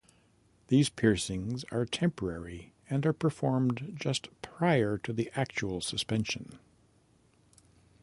These piercings are temporary and are performed just prior to the actual suspension.